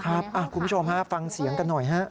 ครับคุณผู้ชมฟังเสียงกันหน่อย